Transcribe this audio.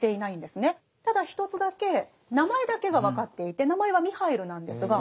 ただ一つだけ名前だけが分かっていて名前はミハイルなんですが。